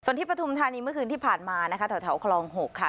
ส่วนที่ปฐุมธานีเมื่อคืนที่ผ่านมานะคะแถวคลอง๖ค่ะ